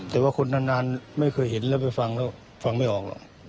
แต่ว่าคนนานไม่เคยเห็นแล้วไปฟังแล้วฟังไม่ออกหรอก